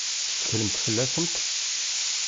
Tetteklemt fell-asent?